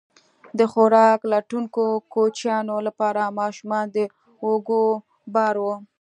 د خوراک لټونکو کوچیانو لپاره ماشومان د اوږو بار وو.